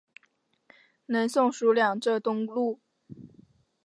南宋属两浙东路。